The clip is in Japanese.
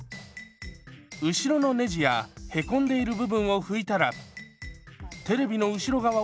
後ろのネジや凹んでいる部分を拭いたらテレビの後ろ側を半分ずつ拭きます。